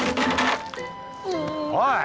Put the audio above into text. おい！